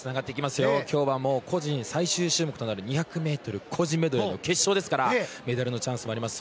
今日は個人最終種目となる２００ｍ個人メドレーの決勝ですからメダルのチャンスもあります。